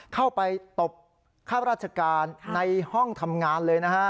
เข้าไปตบข้าราชการในห้องทำงานเลยนะฮะ